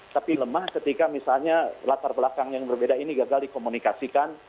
tapi lemah ketika misalnya latar belakang yang berbeda ini gagal dikomunikasikan